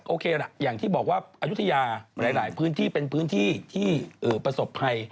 โอเคล่ะอย่างที่บอกว่าอายุทยาหลายพื้นที่เป็นพื้นที่ที่ประสบภัย